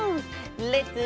レッツ。